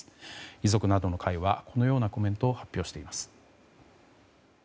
遺族などの会はこのようなコメントを発表しています。